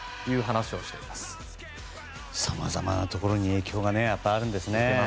さまざまなところに影響があるんですね。